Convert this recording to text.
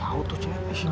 tau tuh cewek